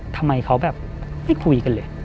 ทำไมเขาแบบไม่คุยกันเลย